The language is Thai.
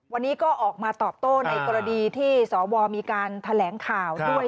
วันนี้ก็ออกมาตอบโต้ในกรณีที่สวมีการแถลงข่าวด้วย